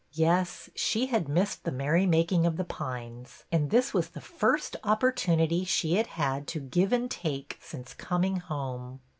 Yes, she had missed the merry making of The Pines, and this was the first opportunity she had had to give and take since coming home.